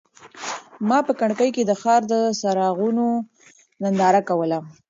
ما په کړکۍ کې د ښار د څراغونو ننداره کوله.